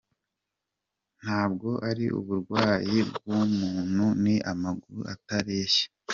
Ntabwo ari uburwayi bw’umuntu ni amaguru atareshya.